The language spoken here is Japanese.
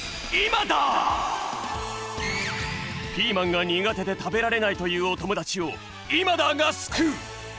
ピーマンが苦手で食べられないというおともだちをイマダーがすくう！